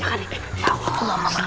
ya allah mas